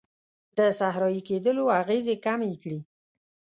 د صحرایې کیدلو اغیزې کمې کړي.